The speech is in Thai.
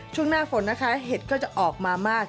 ช่วงหน้าฝนนะคะเห็ดก็จะออกมามาก